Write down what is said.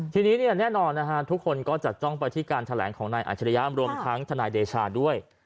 ทีนี้แน่นอนทุกคนก็จับจ้องไปที่การแถลงของนายอาชริยะรวมทั้งทนายเดชาด้วย